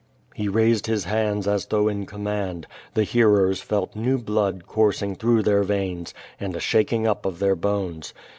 He raised his hands as though in command. The hearers felt new blood coursing through their veins, and a shaking up of their bones.